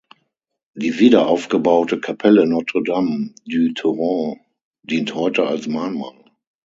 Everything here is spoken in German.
Die wiederaufgebaute Kapelle Notre Dame du Torrent dient heute als Mahnmal.